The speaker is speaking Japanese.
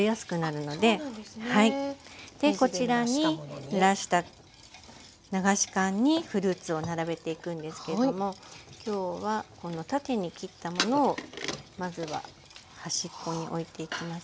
こちらにぬらした流し函にフルーツを並べていくんですけども今日はこの縦に切ったものをまずは端っこにおいていきますね。